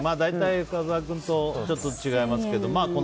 深澤君とちょっと違いますけど。